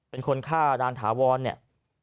เป็นคนฆ่านางถาวรเนี่ย